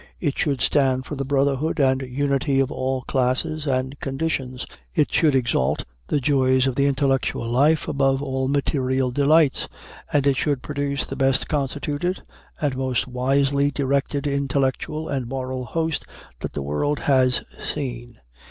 It should stand for the brotherhood and unity of all classes and conditions; it should exalt the joys of the intellectual life above all material delights; and it should produce the best constituted and most wisely directed intellectual and moral host that the world has seen.